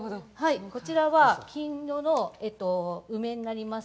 こちらは、金色の梅になります。